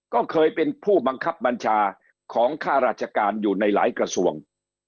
ก็เคยเป็นผู้บังคับบัญชาของค่าราชการอยู่ในหลายกระทรวง